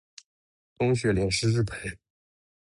东雪莲是日本人